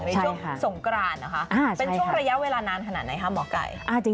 ช่วงสงกรานนะคะเป็นช่วงระยะเวลานานขนาดไหนคะหมอไก่